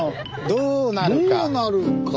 どうなるか。